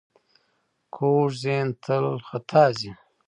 کوږ ذهن تل خطا ځي